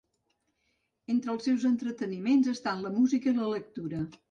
Entre els seus entreteniments estan la música i la lectura.